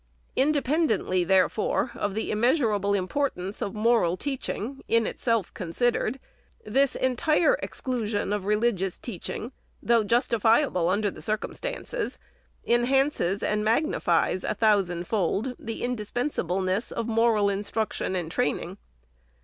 Independently, therefore, of the immeasura ble importance of moral teaching, in itself considered, this entire exclusion of religious teaching, though justifi able under the circumstances, enhances and magnifies, a thousand fold, the indispensableness of moral instruction and training.